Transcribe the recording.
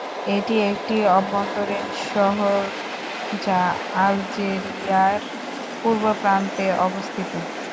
এটি একটি অভ্যন্তরীণ শহর, যা আলজেরিয়ার পূর্ব প্রান্তে অবস্থিত।